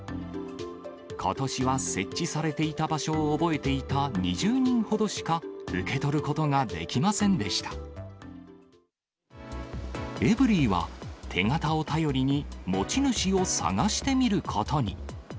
ことしは設置されていた場所を覚えていた２０人ほどしか受けエブリィは、手形を頼りに持ち主を探してみることに。